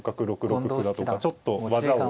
６六歩だとかちょっと技を。